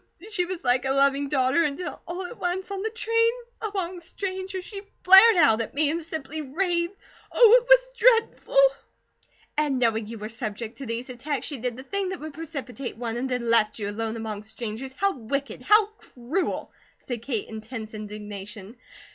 She was like a loving daughter, until all at once, on the train, among strangers, she flared out at me, and simply raved. Oh, it was dreadful!" "And knowing you were subject to these attacks, she did the thing that would precipitate one, and then left you alone among strangers. How wicked! How cruel!" said Kate in tense indignation.